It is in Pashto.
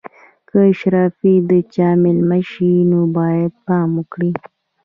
که اشرافي د چا مېلمه شي نو باید پام وکړي.